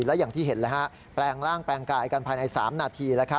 และอย่างที่เห็นแปลงร่างแปลงกายกันภายใน๓นาที